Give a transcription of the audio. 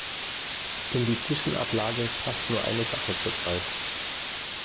In die Zwischenablage passt nur eine Sache zur Zeit.